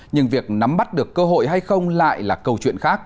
nhưng việc nắm bắt được cơ hội hay không lại là câu chuyện khác